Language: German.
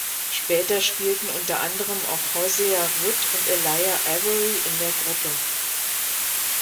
Später spielten unter anderem auch Hosea Wood und Elijah Avery in der Gruppe.